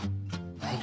はい。